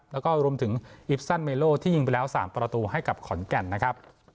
แล้วก็รวมถึงอิปซันเมโลที่ยิงไปแล้ว๓ประตูให้กับขอนแก่นนะครับ